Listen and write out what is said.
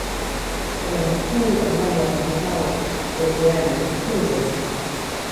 Agano kuu ambalo wanawake hao huwekeana ni kutunza siri